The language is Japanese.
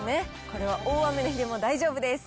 これは大雨の日でも大丈夫です。